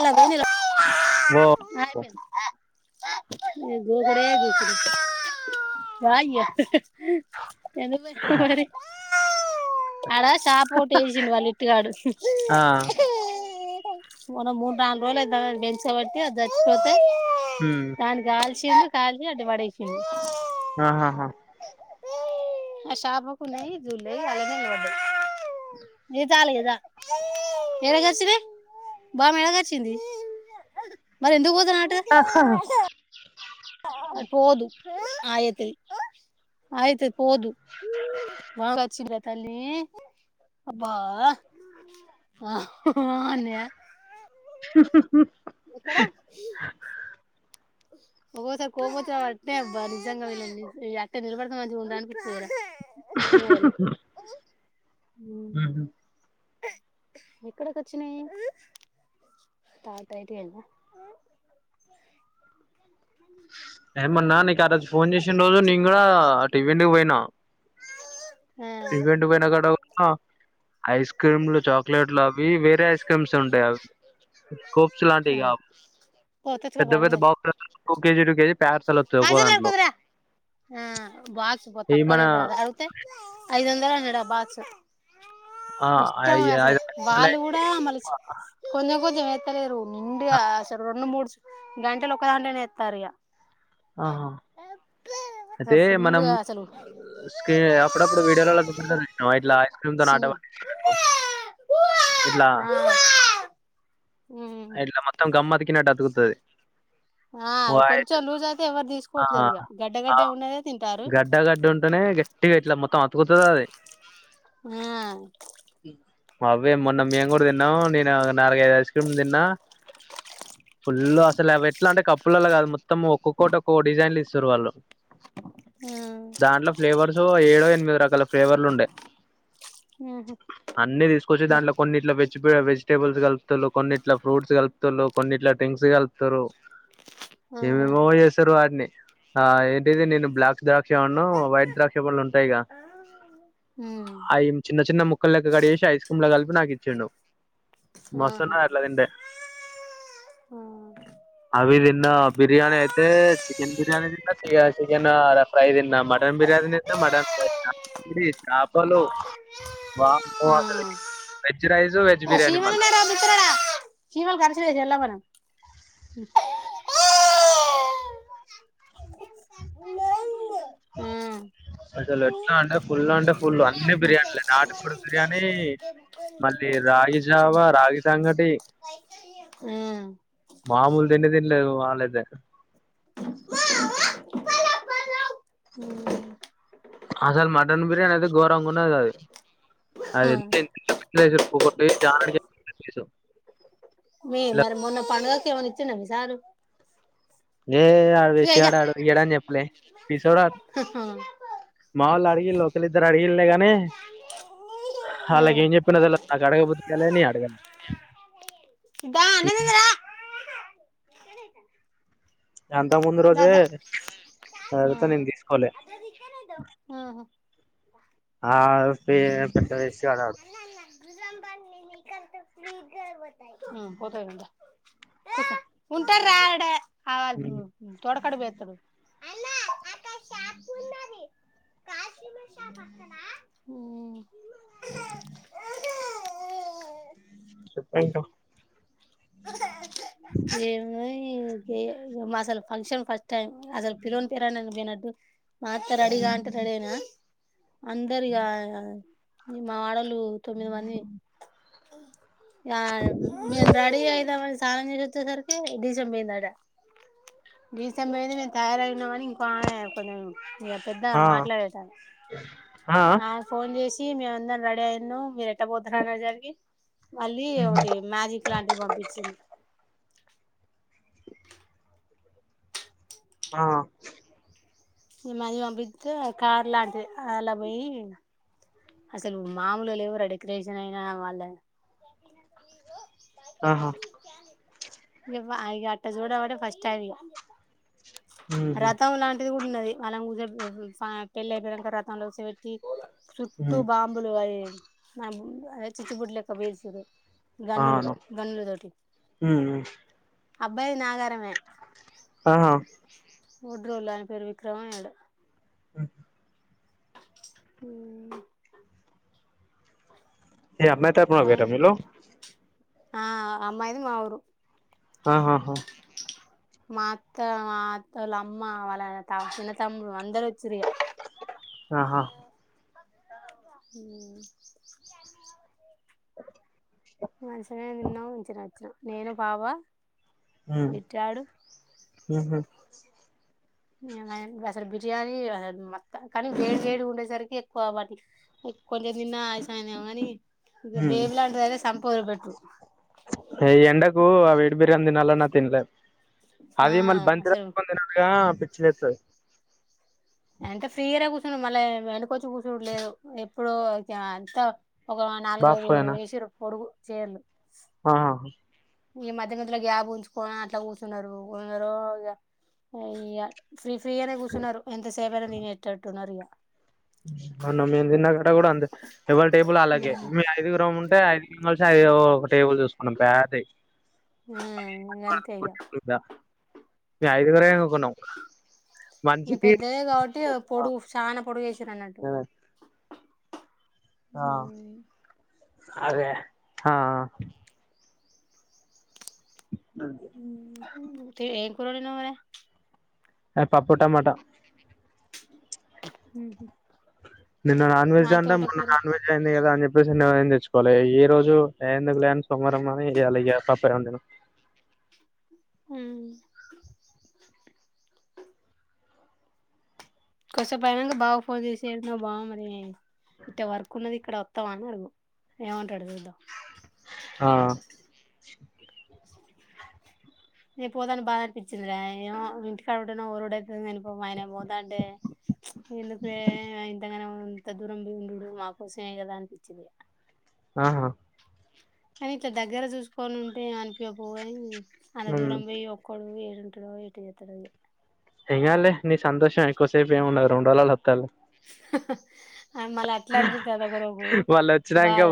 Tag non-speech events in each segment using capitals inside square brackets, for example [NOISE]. అలాగదు నేను ఓ ఆ ఐపేంది ఇగ గోకుడే గోకుడు వాయ్య ఎండిపోయిన మరి అడా చాప ఒటి ఏసిలు మా లిట్టు గాడు ఆ స మొన్న మూడు నాలుగు రోజులు దాన్ని అది పెంచబట్టి అది చచ్చిపోతే ఉమ్ దాన్ని కాలు చీర్ కాలీ అటు పడేసిండు ఆహాహా ఆ చాపకున్నయి ఇది జూలే అయే నీళ్లు వడ్డాయి ఇగా చాలు ఇగ ద ఎడగచ్చినయి బాముఎడగచ్చింది మరి ఎందుకు పో ఆహాహా అటు పోవదు, అయి అయితది, అయి అయితది పోవదు బాగా చిన్నది తల్లి అబ్బ హ అన్నయా ఆహ్ హా ఎక్కడ ఒక్కోక్కసారి కోపంవస్తే అంటే, అబ్బా నీజంగా నిలబడితే మంచిగుండు అనిపిస్తది రా [INAUDIBLE] ఉహ్ ఏక్కడకొచ్చినై తాతయ్యదేన ఏమన్నానీ ఆ రోజు ఫోన్ చేసిన్ రోజు నేను గుడా తీవింటికి పోయిన ఆ టివెంట్ పోయిన కాడా వున్న ఐస్ క్రీమ్లు చాక్లెట్లు అవి వేరే ఐస్ క్రీమ్స్ ఉంటాయి, అవి కోప్స్ లాంటివి ఆ కావ్ పో పెద్ద పెద్ద బాక్స్లు కేజీ, టూ కేజీ పార్సల్ వస్తాయి ఒక్కో కాల్చేతులు దాంట్లో కడుకుంద్రా, ఈ మన ఐదు వందలన్నడు ఆ బాక్స్ ఆ అయి ఇష్టమే అసలు, ఐదు వాళ్ళు గుడా వందలకి మల్ కొంచం కొంచం అస్తలేరు, నిండుగా అసలు రొండు, మూడు గంటలు ఒక దాంట్లనే ఎస్తాన్రిగా ఆహా, అయితే అసలు మనం ఫుల్గా అసలు స్ అప్పుడప్పుడు వీడియోలల్ల బుక్తరు చూసినవా ఐస్ క్రీమ్తో చీమలు అటపట్టిచినట్టు ఇట్లా ఇట్ల మొత్తం గం అతికినట్టు అతు తది. ఆ కొంచం లూజ్ అయితే ఎవరు ఆ! తీసుకోవట్లేరుగా ఇగ గడ్డ ఆ! గడ్డ ఉన్నదే తింటారు. పోతాదది. ఆ అవే మొన్న మేము గుడా తిన్నము, నేను ఒక నాలుగైఐదు ఐస్ క్రీమ్ తిన్ న్న ఫుల్ అసలు అవ్వి ఎట్ల అంటే కప్పులల కల్ మొత్తం ఒక్కొకటి ఒక్కో డిజైన్ ఇస్తాం రువాళ్లు ఉమ్ దాంట్లో ఫ్లేవర్స్ ఏ ఎనిమిద రకాల ఫ్లేవర్లు ఉండే ఉహు అన్నీ తీసుకొచ్చి దా దాంట్లో కొన్ని ఇట్ల వెజి వెజిటేబుల్స్ కలుపుతలు కొన్నిట్ల ఫ్రూట్స్ కల్ప్తుం కొన్నిట్ల డ్రింక్ కల్ప్తుంరు ఆ ఏమేమో చేస్తున్రు వాటిని ఆ ఏంటిది నేను బ్లాక్ దా క్ష ఉను వైట్ ద్రాక్ష పన్లు ఉంటయిగా ఉమ్ అవి చిన్న చిన్న ము ముక్కల్ లెక్క కట్ చేసి ఐస్ క్రీమ్ల కలిపి నాకిచ్చిండు. మస్త్ ఆహా ఉన్నద్ అట్ల తింటే ఆ అవి తిం నా బిర్యానీి అయితే చికెన్ బిర్యానీి తిన్న చ చికెన్ ఫ్రై దిన్నా మటన్ బిర్యానీ ని మటన్ ఫ్రై చాపలు వా ఆ వెజ్ రైస్ వెజ్ బిర్యానీ మళ్ళా శీమలు కరచలే ఎల్ మనం హ ఆ అంటే ఫుల్ం టు మళ్ళీ రాగి జావా రాగి సంగటి మామూలు తిండి తినలేదు వాళ్ళైతే హూ ఉమ్ అసల్ మర్ మటన్ బిర్యానీ అయితే ఘోరంగా ఉన్నది గది అది [INAUDIBLE] ఒక ప్లేట్ జానెడు ఎన్నో ఉంది ఏపీఎస్ మీ మరి మొన్న పండుగా ఏమన్నా ఇచ్చన్నా మీ సారు ఏ ఆరు ఇగో వేస్ట్ ఇగ గాడు వాడు ఇయ్యాడు అని చెప్పాలే పిసోడు ఆడ్ మా లాడీ ఈ లోకల్ ఇద్దర అడిగిల్లేగానే అలాగేం చెప్పినద నాకు అడగబుద్ధగాలని గాలి దా అన్నం తిందురా అంతకు ముందు రోజే దాదా ఫ్లీజ అడిగితే నేను తీసుకోలే ఆ పే పెద్ద వేస్ట్ గాడు ఆడు గర్వచ్చ ఆ పోోతా ఇగా దా ఉంటారు రా ఇడా అవద్ ఉమ్ తోడ కడు బ ఎత్తడు శమషా పక్కన అ చెప్పంట ఏ మయి ఈ గే మాసాల ఫంక్షన్ ఫస్ టై మ్ అసలు పిలవని పేరంటానికి పోయినా అ మాత్తరడిగా అంట రడేనా అందరిగా ని మాడల్ ఉ తొమ్మిది మంది అ మీ అండ్రాడి అయిదమని సానమ్ చేసొచ్చే సర్కే డీసంబొయిందడ గీసంబొయింది మేమ్ తయారయాయినామని ఇక ఆమె కొంచెం ఇక పెద్దగా ఆ మాట్లాడేట ఆ ఈ మేమందర్ రెడీ అయ్యిన్ను మీరు ఎట్ట పోతున్నారో జరిగి మళ్ళీ ఒకటి మ్యాజిక్ లాంటిది పంపించింది ఆ ఈ మది పంపిత్తే కార్ లాంటిది అలా పోయి అసలు మామూలుగా లేవురా డెకరేషనైనా వాళ్ది ఆహా ఇవ్వ అగ అట్ట జోడ వడే ఫస్టైమిగ ఉహు రతములన్ ది కూడున్నది వాళ్ళని కుజే [INAUDIBLE] పెళ్ళి అయిపోయేదంక రతంలో సేవట్టి టు ఉమ్ బాంబులు అయి నా బు అయే చిచ్చుబుడ్లెక్క బేల్సిరు గన్నులు అవును గన్నుల్తోటి ఉమ్ ఉమ్ అబ్బాయి నాగారమే ఆహా ఒడ్రోల్ల ఆయన పేరు విక్రమో యాడో ఉమ్ ఏ అర్నైతపుగర మీలో ఆ అమ్మాయిది మా ఊరు ఆహా హ మాత్త మాత్తోళ్ళ అమ్మా వాళ్ళ త చిన్న తమ్ముడు అందరొచ్చిర్రగా ఆహా ఉమ్ మంచిగనే తిన్నాం వచ్చినా వచ్చినాం నేను బావ ఉమ్ బిట్టుగాడు ఉహు ఏమ అసలు బిర్యానీ అస మత్త కానీ వేడి వేడి ఉండేసరికి ఎక్కువ వాటి కొంచెం తిన్న ఆయాసమైందేమో అని ఉమ్ ఎండకు అ వేడి బిర్యాని తినాలన్నా తినలేం ఆ అది మళ్ళీ అసలు బంతరాని [INAUDIBLE] తినాలుగా చ్చి లేత్తది ఎంత ఫ్రీరా కూర్చుండు మళ్ళ వెనకొచ్చి కూర్చుడు లేదు ఎప్పుడు అంత ఒక నాలుగైదు వేసిరు పొడుగు చేలు ఆా ఈ మధ్య మద్యల గ్యాబ్ ఉంచుకోని అట్లా కూర్చున్నారు ఉన్నారో ఇగ ఇ ఫ్రీ ఫ్రీగానే కూర్చున్నారు ఎంత సేవ అయినా నేను ఎట్టట్టున్నారు ఇగ మొన్న మీమ్ తిన్న కూడా ఉంది ఎవాళ టేబుల్ అళ్ళకే మీ ఐదుగు రమ్ ఉంటే ఐదుగురం కలిసి ఒక టేబుల్ చూసుకున్నాం పే తే ఆ ఇం అంతే ఇగ మేము ఐదుగురమే కొన్నాం ఇంగా మనిషికి పెద్దదే కాబట్టి పొడుగు చాలా పొడుగు వేసి రన్నటు ఆ అదే ఆా తే ఏ ఏం కూర వండినవు మరే ఏ పప్పు టమాట హ నిన్న నాన్ వెజ్గా అంటే మొన్న నాన్ వెజ్ అయింది కదా అని చెప్పేసి నిన్న ఏం తెచ్చుకోలే ఈ రోజు ఏ ఎందుకు లేని సోమవారం అని ఇయ్యాల ఇగా పప్పే వండినం హు కొడిసేపు అయినంకా బావ కు ఫోన్ చేసి ఏడున్నవ్ బావ మరి ఇట్ట వర్క్ ఉన్నది ఇక్కడ ఓతావా అని అడుగు ఏమంటాడో చూద్దాం ఆ నే పోతంటే బాధ అనిపించిందిరా ఏమొ ఇంటికాడ ఉంటెనో ఒర్రుడు అయితంది పో ఆయన పోతంటే ఎందులే అయి ఆయన ఇంత దూరం పోయి ఉండుడు మాకోసమే కదా అనిపించింది ఆహా కాని ఇట్లా దగ్గర చూసుకొని ఉంటే ఏం అనిపియపోవుగని అంత హ్మ్ దూరం పోయి ఒక్కడు ఏ డో ఎట్ట జెతడో ఏం ఎంకాదులే నీ సంతోషం ఎక్కువసేపు ఏమ్ ఉండదు రొండురోజులల్ల వత్తాడులే మళ్ళ అట్లా అడిపితది ఒక రోకు వాళ్ళు వచ్చినంక బాధ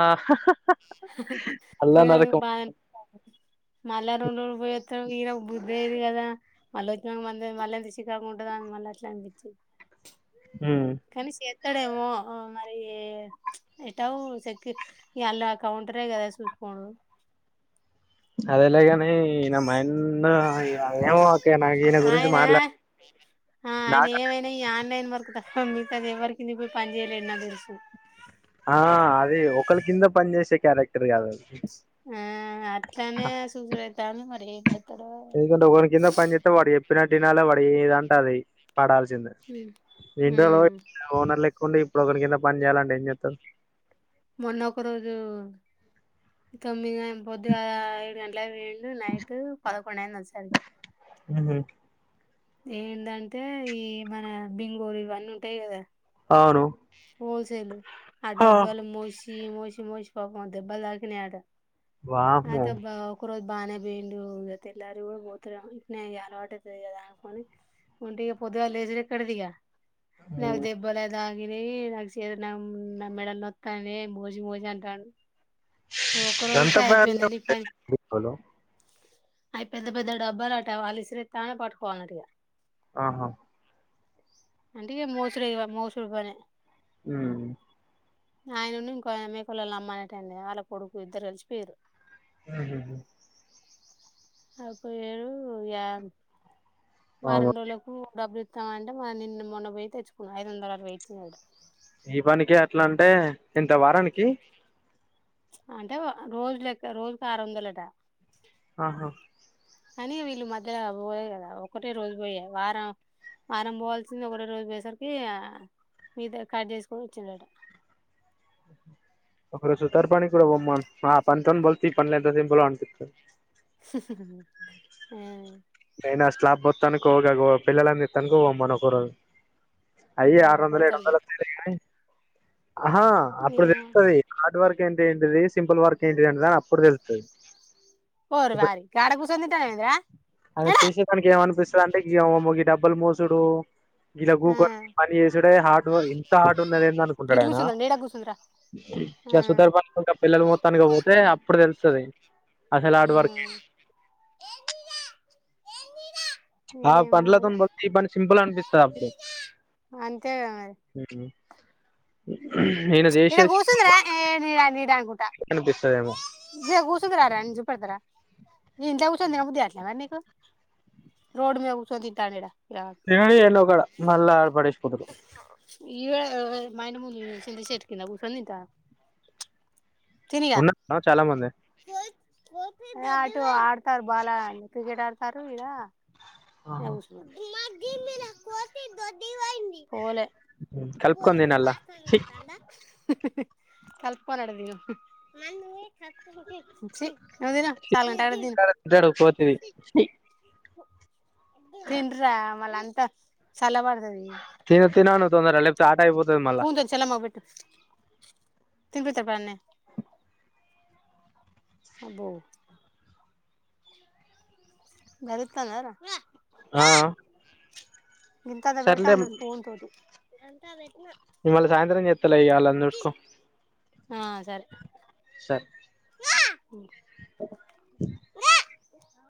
ఆ అల్ల పోయినందుకు నరకం బాధ అనిపితంది మళ్ళా రెండు పోయోస్తడు ఈనకు బుదైదు కదా మళ్ళ వచ్చినాక మ మళ్ళాలెంత చికగు ఉంటదో మళ్ళ అట్లా అనిపి ఉమ్ కనిసి చె ఇక్కడ ఏమో మరి ప్చ్ ఎట్లా సెక్యూ అలా కౌంటరే కదా చూసుకోనుడు. అదిఎలాగన్. ఈయన మైండా ఏమో అక్కయ్య నాకి ఈయన గురించి ఆయన మాట్లాడ ఆ ఆయన నాకు. ఏమైనా ఈ ఆన్లైన్ వర్క్ మిగతాది ఎవరి కిందికి పోయ్ పని చేయలేడు నాకు తెలుసు. ఆహ్ అది ఒకళా కింద పని చేసే క్యారెక్టర్ కాదది. ఆహ్ అట్లానే సుసిపెడతాన్నది మరి ఏం. చేత్తడో ఏం ఎందుకంటే కథో ఎవరి కింద పనిజెతే వాడు చేప్పినటు. ఇనాలే వాడు ఏదంటే అది. పడాల్సిందే ఉమ్ వింటర్లపోయి ఓనర్లుక్కుండి. ఇప్పుడు ఓకనీ కింద పని జెయాలంటే ఏం జేతడు. మొన్న ఒక రోజు తొమ్మిది గం‌ పొద్దుగాల ఏడు గంట్లకు పోయ్ండు. నైటు పదకొండు ఐంది వచ్చేసరికే. ఉమ్ ఏందంటే ఈ మన బింగోలు ఇవన్నీ ఉంటాయి గదా. అవును. Wholesale. ఆ హా. డబ్బలు మోసి. ఇవి మోసి మోసి పాపం దెబ్బల్ దాకినయి అంట. ఆహ్ వామ్మో దెబ్బ ఒకరోజు. బానే బోయిండు ఇగ తెల్లారి గుడ పోతడెమో ఇంక ఇట్నే అలవాటు ఐతది గద అనుకొన్ని ఉండి పొద్దుగాల లేసుడేఏకడిదిగా. నాకు మ్మ్. దెబ్బలే తాక్ నాకీ నా చైదనం నా మెడల్ నోతన్నాయి మోసి మోసి అంటండు. అంత బరువు. అవి పెద్ద పెద్ద డబ్బాల అట్ట వాళ్ళ ఇసిరేస్తేనె పట్టుకోవాలన్నట్టా ఇగా. ఆహ్ అంటే ఇగ మోసుడే ఇగ మోస్. తువానే. ఉమ్ ఆయన ఉండు ఇంకో ఆమే కోలలు అమ్మేటయాన వాళ్ళ కొడుకు ఇద్దరు కలిసి పోయిండ్రు. ఉమ్ ఉమ్మ్ అప్పుడు ఏరు ఇగ. ఆ అవును. రెండు రోజులకు డబ్బులు ఇస్. ఇస్తామంటే నిన్న మొన్న పోయి తెచ్చుకున్నాడు ఐదు వందలు అడ్. వేయి ఇచ్చినాడట. ఈ పనికే అట్లా అంటే ఇంత వారానికి. అంటే రోజులెక్క రోజుకు ఆరు వందలట. ఆహా. కానీ వీళ్ళు మధ్యల పోయలే కదా ఒకటే రోజు పోయరు వారం వారం పోవాల్సింది ఒకటే రోజు పోయేసరికి మీగతది కట్ చేసుకొని ఇచ్చిండట. ఒక సుతారు పనికి కూడా పొమ్మను బాపు. పథం బోల్ తి పనులు ఎంత తిప్పలో అనిపింతది ఆ ఇన స్లాబ్ బోతనాన్ని తనకో పెళ్లలు ని తనకు మనకరు అయ్యో ఆ ఆరు వందలు ఏడు పోతాడు తి వందలు వత్తాయి లే గాని అహా అప్పుడు ఇగ తెలుతది హార్డ్ వర్క్ క్ ఏంటింటిది సింపుల్ వర్క్ ఏంటి ఏంటది అని అప్పుడు తెలుస్తుంది ఓర్ వారి గాడ కూసొని తింటానావు ఏంది రా అది చేసే పనికి ఏమ్ అనిపిస్తది అంటే గీవం ఓ గి డబ్బల్ మోసుడు ఇలా ఆ గుకొని గీ పని చేసుడే హర్డ్ ఇంత హర్డ్ ఉన్నది ఏంది అనుకుంటాడు గిటు ఆయన కూసుందండి ఈడ కూసుందిరా ఆ ఇగ సుతారు పని ఇంకా పిల్లర్ పోతానికి పోతే అప్పుడు తెలు సరే అసెలు హార్డ్ ఆ వర్క్ ఏ హా ఏమో పనిలా తో ఇగ పోలిస్తే ఈ పని సింపల్ అనిపిత్తది అప్పుడు అంతేగా మరి ఈయన ఇడ చేసేది కుసుందు సింపుల్ రా వర్క్ ఏ నీడ నీడ అనుకుంట అనిపిస్తదేమో గీడ కుసుందురా రా నేను చూపెడుతా రా నీ ఇంట్ల కూసోని తినబుద్ధి కాట్లే మరి నీకు రోడ్డు మీద కూసోని తింటాడు ఈడ పిలగాడు ఎల్లా ఏడ నో కాడ మల్ల పడివేసిపోతాడు ఈ మా మూల్య చితి కింద కూసోని తింటా ఉన్నా చాలా మంది ఏ ఆటో ఆ టర్ బాలా క్రికెటర్ తరువిద య ఉష్షునుడు పోలే కలుపుకొని తినల్లా కలుపుకోవాలి అని ఉంది గా ఛీ నువ్ తిను సలుగాని టకటక తిను తింటాడు కోతిది తిను రా ఇవ్వాలంత సల్ల వడు తిను తిను అను తొందర లేకపోతే ఆట అయిపోతు పూందొంచల అమ్మ కు పెట్టు తినిప్పిత అడనే అబో గరితాందార ఆ గింతంత పెడతాడు స్పూనతో అంత అదే నిమల్ల సాయంత్రం చెత్తలే అళ్ళ చుస్కో ఆ సరే సరే [INAUDIBLE]